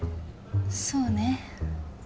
そうね